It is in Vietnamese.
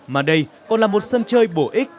mà đây còn là một sân chơi bổ ích